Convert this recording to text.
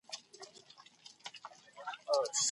دا د مفاهيمو اقتصاد دی